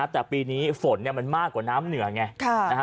แต่ปีนี้ฝนมันมากกว่าน้ำเหนือไง